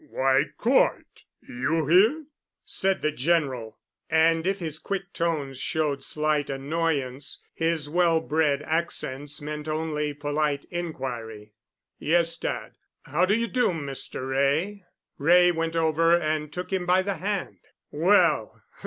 "Why, Cort! You here?" said the General, and if his quick tones showed slight annoyance, his well bred accents meant only polite inquiry. "Yes, dad. How do you do, Mr. Wray?" Wray went over and took him by the hand. "Well!